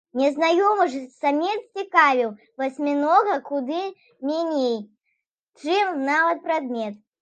Незнаёмы ж самец цікавіў васьмінога куды меней, чым нават прадмет.